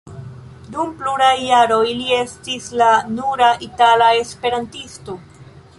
Dum pluraj jaroj li estis la nura itala esperantisto.